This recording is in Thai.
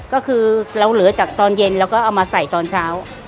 ก็คือเราเหลือจากตอนเย็นแล้วก็เอามาใส่ตอนเช้า